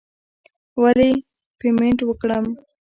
ولې پیمنټ وکړم.